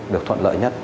được thuận lợi nhất